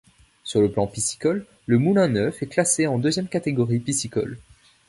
Sur le plan piscicole, le Moulin Neuf est classé en deuxième catégorie piscicole.